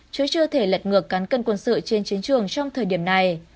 chứ chưa thể lật ngược cán cân quân sự trên chiến trường trong thời điểm này